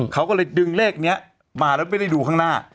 เขาก็เลยดึงเลขนี้มาแล้วไม่ได้ดูข้างหน้า